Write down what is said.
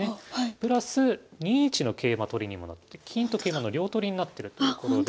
プラス２一の桂馬取りにもなって金と桂馬の両取りになってるということで。